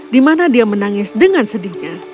di mana dia menangis dengan sedihnya